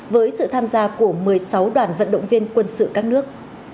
với sự tham gia của một mươi sáu đoàn vận động viên quân sự các nước